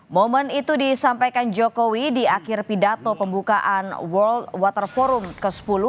momen itu disampaikan jokowi di akhir pidato pembukaan world water forum ke sepuluh